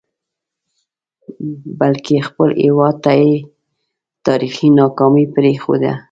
بلکې خپل هیواد ته یې تاریخي ناکامي پرېښوده.